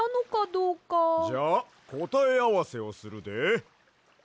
じゃあこたえあわせをするで。